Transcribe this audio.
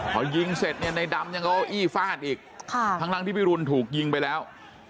พอยิงเสร็จในดำก็อ้ออี้ฟาดอีกดังนั่งพี่หลุนถูกยิงไปแล้ว